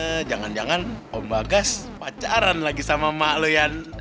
eh jangan jangan om bagas pacaran lagi sama emak lu yan